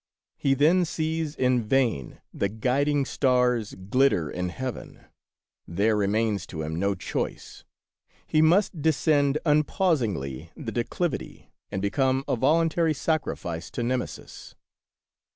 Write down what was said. He then sees in vain the guiding stars glitter in heaven ; there remains to him no choice ; he must descend unpausingly the declivity and become a voluntary sacrifice to Nemesis.